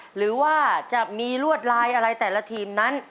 หรือว่าจะมีลวดลายอะไรแต่ละทีมนั้น